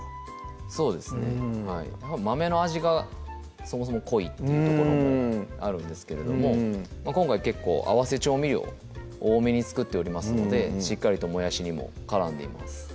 そうですね豆の味がそもそも濃いっていう所もあるんですけど今回結構合わせ調味料多めに作っておりますのでしっかりともやしにも絡んでいます